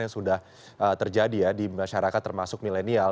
yang sudah terjadi ya di masyarakat termasuk milenial